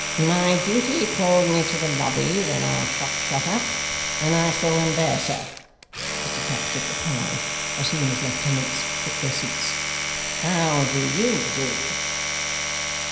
'My duty called me to the Lobby when our shop shut up; and I saw him there, sir,' Mr Tappertit replied, as he and his lieutenants took their seats. 'How do YOU do?